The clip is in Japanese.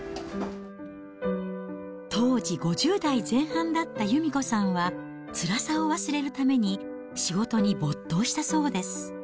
当時５０代前半だった由美子さんは、つらさを忘れるために、仕事に没頭したそうです。